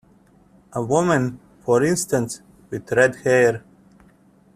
A woman, for instance, with red hair.